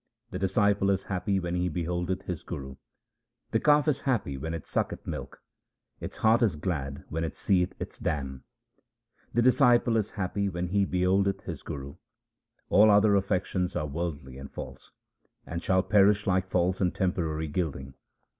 The disciple is happy when he beholdeth his Guru ; The calf is happy when it sucketh milk ; Its heart is glad when it seeth its dam ; The disciple is happy when he beholdeth his Guru. All other affections are worldly and false, And shall perish like false and temporary gilding.